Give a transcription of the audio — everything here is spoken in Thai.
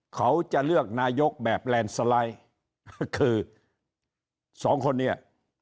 เขาจะเลือกนายกแบบเลนส์ไลด์คือ๒คนเนี่ย